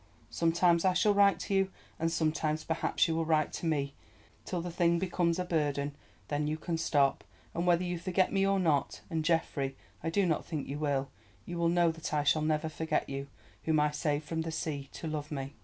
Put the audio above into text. Sometimes I shall write to you, and sometimes perhaps you will write to me, till the thing becomes a burden, then you can stop. And whether you forget me or not—and, Geoffrey, I do not think you will—you will know that I shall never forget you, whom I saved from the sea—to love me."